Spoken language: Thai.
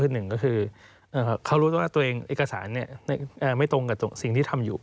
หนึ่งก็คือเขารู้ตัวว่าตัวเองเอกสารไม่ตรงกับสิ่งที่ทำอยู่